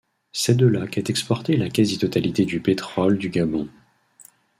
C'est de là qu'est exportée la quasi-totalité du pétrole du Gabon.